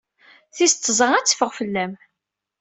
Tis tẓat ad teffeɣ fell-am.